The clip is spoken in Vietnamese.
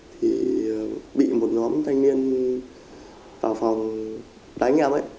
thì bị một nhóm thanh niên vào phòng đánh em ấy